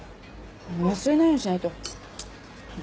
忘れないようにしないと。